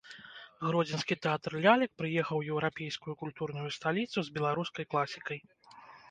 Гродзенскі тэатр лялек прыехаў у еўрапейскую культурную сталіцу з беларускай класікай.